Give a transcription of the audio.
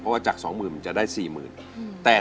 เพราะว่าจากสองหมื่นมันจะได้สี่หมื่นอืม